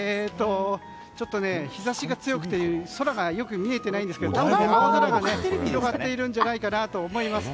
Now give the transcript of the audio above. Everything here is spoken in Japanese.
ちょっと日差しが強くて空がよく見えていないんですが多分、青空が広がっているんじゃないかなと思います。